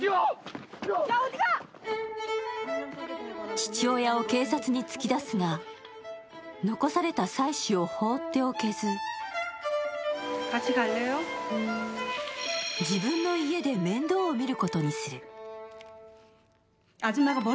父親を警察に突き出すが、残された妻子を放っておけず自分の家で面倒を見ることにする。